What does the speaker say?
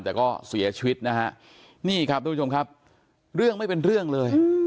แต่ก็เสียชีวิตนะฮะนี่ครับทุกผู้ชมครับเรื่องไม่เป็นเรื่องเลย